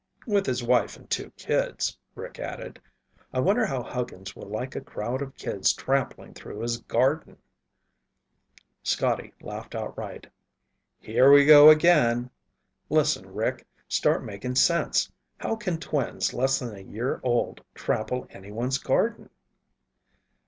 "With his wife and two kids," Rick added. "I wonder how Huggins will like a crowd of kids trampling through his garden!" Scotty laughed outright. "Here we go again! Listen, Rick, start making sense. How can twins less than a year old trample anyone's garden?"